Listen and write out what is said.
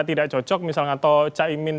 tidak cocok misalnya atau caimin